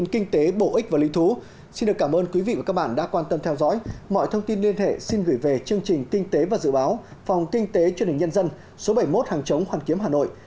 xin cảm ơn quý vị và các bạn đã quan tâm theo dõi mọi thông tin liên hệ xin gửi về chương trình kinh tế và dự báo phòng kinh tế truyền hình nhân dân số bảy mươi một hàng chống hoàn kiếm hà nội